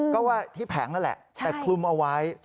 ก็ว่าที่แผงนั่นแหละแต่คลุมเอาไว้